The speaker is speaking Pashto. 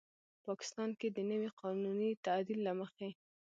پاکستان کې د نوي قانوني تعدیل له مخې